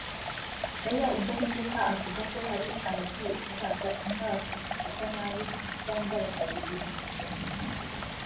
Meya Udahemuka avuga ko hari abagiye bahabwa inka bakazifata nabi cyangwa bakazigurisha